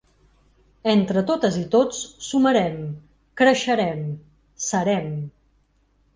Entre totes i tots sumarem, creixerem, serem.